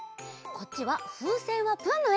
こっちは「ふうせんはプン」のえ。